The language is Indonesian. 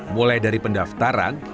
mulai dari pendaftaran